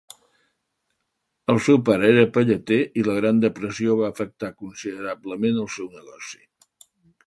El seu pare era pelleter i la Gran Depressió va afectar considerablement el seu negoci.